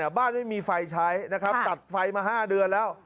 แล้วบ้านไม่มีไฟใช้ตัดไฟมา๕เดือนแล้ว